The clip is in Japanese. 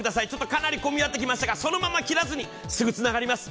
かなり混み合ってきましたがそのまま切らずに、すぐつながります。